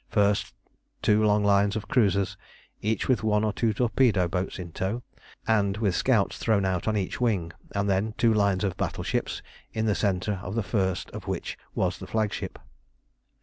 First two long lines of cruisers, each with one or two torpedo boats in tow, and with scouts thrown out on each wing, and then two lines of battleships, in the centre of the first of which was the flagship.